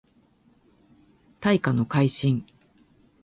大化の改新